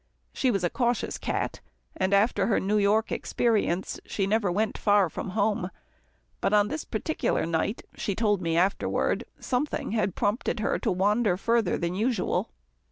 She was a cautious cat, and after her New York experience never went far from home, but on this particular night, she told me afterward, something had prompted her to wander further than usual.